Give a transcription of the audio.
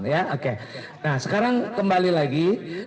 nah sekarang kembali lagi